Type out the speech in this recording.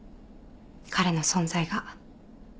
彼の存在が。